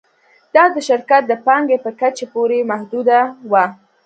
دا د شرکت د پانګې په کچې پورې محدوده وه